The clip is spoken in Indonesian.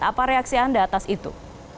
apa reaksi anda atas itu